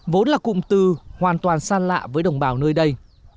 vốn là cụm từ hoàn toàn xa lạ với đồng bào nơi đây